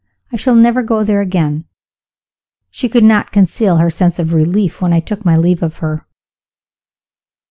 I shall never go there again. She could not conceal her sense of relief when I took my leave of her.